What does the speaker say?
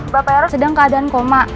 bapak era sedang keadaan koma